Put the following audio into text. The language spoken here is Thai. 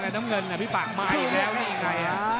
น้ำเงินพี่ปากมาอีกแล้วนี่ยังไง